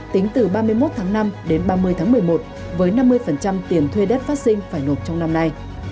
tính từ ba mươi một tháng năm đến ba mươi tháng một mươi một với năm mươi tiền thuê đất phát sinh phải nộp trong năm nay